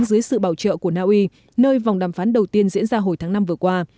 dưới sự bảo trợ của naui nơi vòng đàm phán đầu tiên diễn ra hồi tháng năm vừa qua